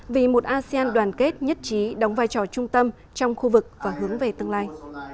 vì một asean đoàn kết nhất trí đóng vai trò trung tâm trong khu vực và hướng về tương lai